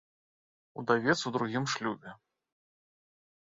Удавец у другім шлюбе.